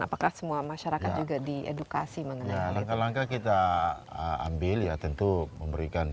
apakah semua masyarakat juga diedukasi mengenai langkah langkah kita ambil ya tentu memberikan